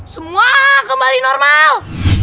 semua kembali normal